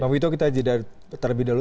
mungkin itu kita jadilah terlebih dahulu